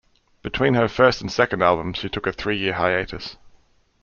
Between her first and second albums, she took a three-year hiatus.